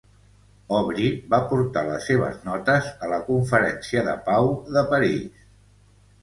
Aubrey va portar les seves notes a la conferència de pau de París.